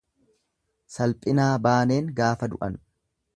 Salphinaa baaneen gaafa du'an.